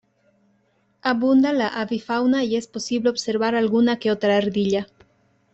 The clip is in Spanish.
Abunda la avifauna y es posible observar alguna que otra ardilla.